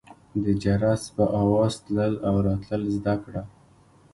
د جرس په اوزا تلل او راتلل زده کړه.